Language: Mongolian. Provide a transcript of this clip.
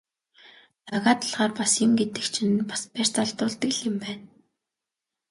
Цагаа тулахаар бас юм гэдэг чинь бас барьц алдуулдаг л юм байна.